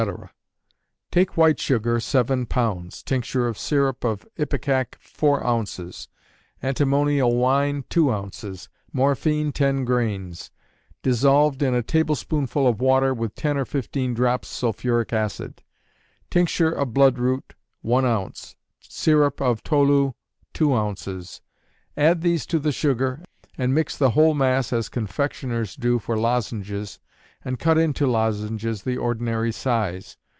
_ Take white sugar, seven pounds; tincture of syrup of ipecac, four ounces: antimonial wine, two ounces; morphine, ten grains; dissolved in a tablespoonful of water, with ten or fifteen drops sulphuric acid; tincture of bloodroot, one ounce; syrup of tolu, two ounces; add these to the sugar, and mix the whole mass as confectioners do for lozenges, and cut into lozenges the ordinary size.